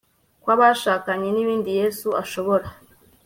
kw'abashakanye, n'ibindi. yesu ashobora